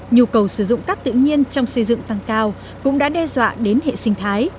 nhu cầu sử dụng cát tự nhiên trong xây dựng tăng cao cũng đã đe dọa đến hệ sinh thái